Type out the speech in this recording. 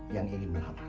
yang ingin melamar